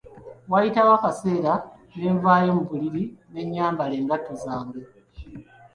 Waayitawo akaseera ne nvaayo mu buliri ne nyambala engatto zange.